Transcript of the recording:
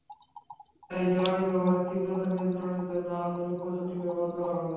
তাই জ্বালানি ব্যবহারের তীব্রতা নিয়ন্ত্রণের জন্য আধুনিক প্রযুক্তি ব্যবহার করা হবে।